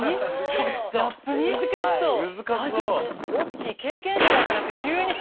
オッチー経験者だからって急に。